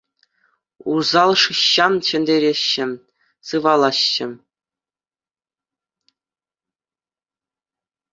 Усал шыҫҫа ҫӗнтереҫҫӗ, сывалаҫҫӗ.